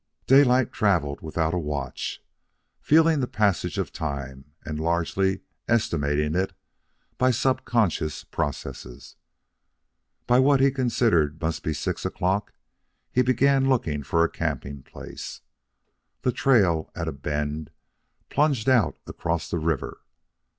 Daylight travelled without a watch, feeling the passage of time and largely estimating it by subconscious processes. By what he considered must be six o'clock, he began looking for a camping place. The trail, at a bend, plunged out across the river.